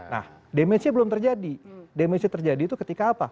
nah damage nya belum terjadi damage nya terjadi itu ketika apa